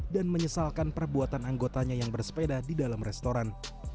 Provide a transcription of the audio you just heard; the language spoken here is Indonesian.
dan menyesalkan perbuatan anggotanya yang bersepeda di dalam restoran